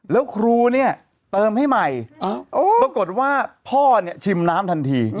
แล้วครูเนี่ยเติมให้ใหม่ปรากฏว่าพ่อเนี่ยชิมน้ำทันที